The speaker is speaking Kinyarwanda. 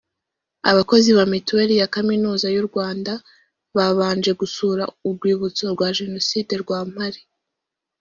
abakozi ba Mitiweli ya Kaminuza y’u Rwanda babanje gusura urwibutso rwa Jenoside rwa Mpare